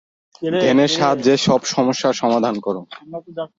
ধ্যানের সাহায্যে সব সমস্যার সমাধান কর।